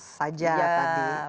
ada pos saja tadi